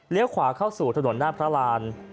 เลี้ยวขวาเข้าสู่ถนนหน้าพระราน